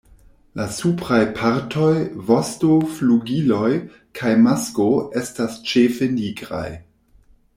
La supraj partoj, vosto, flugiloj kaj masko estas ĉefe nigraj.